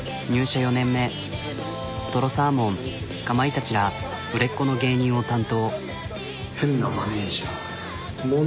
４年目とろサーモンかまいたちら売れっ子の芸人を担当。